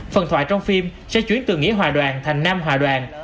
phần thoại trong phim sẽ chuyển từ nghĩa hòa đoàn thành nam hòa đoàn